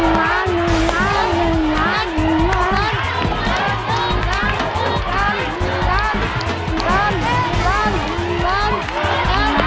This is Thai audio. ๑ล้าน๑ล้าน๑ล้าน